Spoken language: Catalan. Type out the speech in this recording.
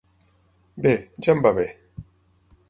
Bé, ja em va bé.